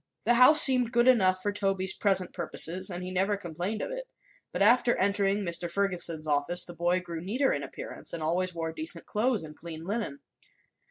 The house seemed good enough for Toby's present purposes, for he never complained of it; but after entering Mr. Ferguson's office the boy grew neater in appearance and always wore decent clothes and clean linen.